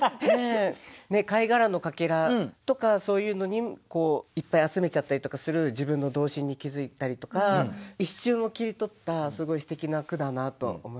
貝殻の欠片とかそういうのいっぱい集めちゃったりとかする自分の童心に気付いたりとか一瞬を切り取ったすごいすてきな句だなと思いました。